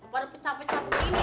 pada pecah pecah begini